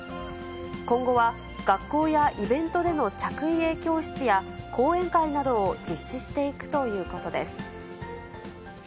今後は学校やイベントでの着衣泳教室や講演会などを実施していくということです。